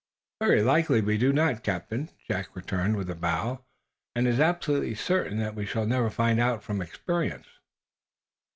"Very likely we do not, Captain," Jack returned, with a bow. "And it is absolutely certain that we shall never find out from experience."